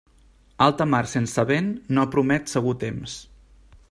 Alta mar sense vent no promet segur temps.